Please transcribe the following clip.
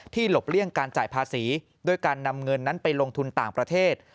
หลบเลี่ยงการจ่ายภาษีด้วยการนำเงินนั้นไปลงทุนต่างประเทศ